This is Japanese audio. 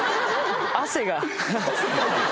汗が。